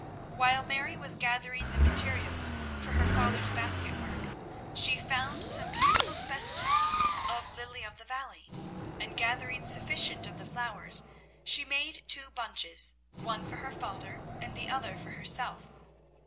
While Mary was gathering the materials for her father's basket work, she found some beautiful specimens of lily of the valley; and, gathering sufficient of the flowers, she made two bunches, one for her father and the other for herself.